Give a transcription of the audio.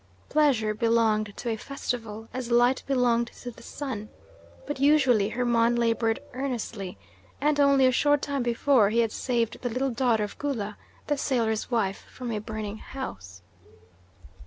Pleasure belonged to a festival, as light belonged to the sun; but usually Hermon laboured earnestly, and only a short time before he had saved the little daughter of Gula, the sailor's wife, from a burning house.